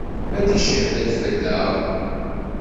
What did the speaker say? Ad d-icehhed fell-aɣ.